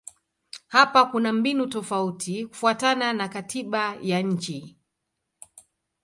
Hapa kuna mbinu tofauti kufuatana na katiba ya nchi.